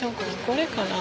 これかな？